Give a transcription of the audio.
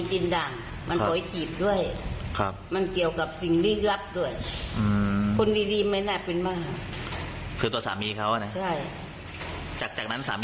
ตำของไม่อยู่หรือครับ